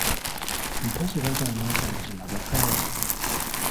Mpozzi bagamba nti amazima gakaawa?